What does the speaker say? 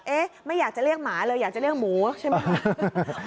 ไม่อยากจะเรียกหมาเลยอยากจะเรียกหมูใช่ไหม